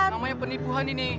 namanya penipuan ini